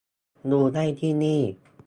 ดูได้ที่นี่